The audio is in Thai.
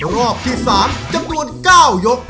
รอบที่๓จำนวน๙ยก